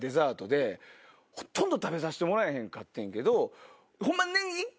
ほとんど食べさせてもらえへんかってんけどホンマ。